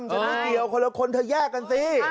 ฉันไม่เกี่ยวคนและคนแท้แยกกันซี่